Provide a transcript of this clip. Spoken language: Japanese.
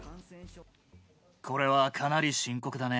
これはかなり深刻だね。